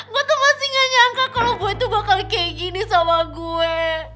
gue tuh masih gak nyangka kalau gue itu bakal kayak gini sama gue